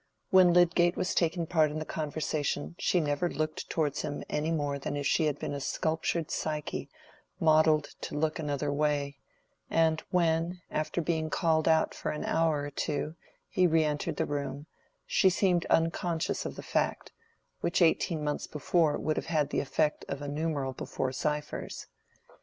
When Lydgate was taking part in the conversation, she never looked towards him any more than if she had been a sculptured Psyche modelled to look another way: and when, after being called out for an hour or two, he re entered the room, she seemed unconscious of the fact, which eighteen months before would have had the effect of a numeral before ciphers.